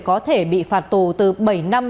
có thể bị phạt tù từ bảy năm